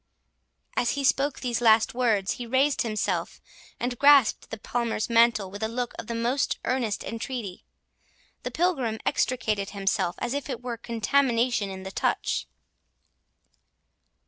As he spoke these last words, he raised himself, and grasped the Palmer's mantle with a look of the most earnest entreaty. The pilgrim extricated himself, as if there were contamination in the touch.